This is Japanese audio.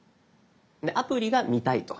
アプリが見たいと。